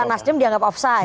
nasrim dianggap offside